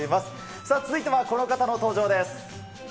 さあ、続いてはこの方の登場です。